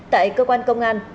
tại cơ quan công an